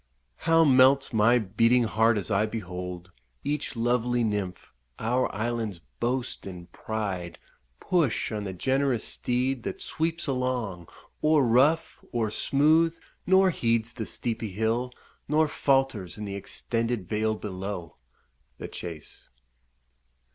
How melts my beating heart as I behold Each lovely nymph, our island's boast and pride, Push on the generous steed, that sweeps along O'er rough, o'er smooth, nor heeds the steepy hill, Nor falters in the extended vale below! The Chase.